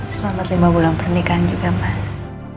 selamat lima bulan pernikahan juga mas